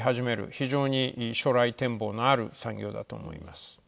非常に将来展望のある産業だと思います。